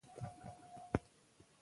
افغانستان د تودوخه له امله شهرت لري.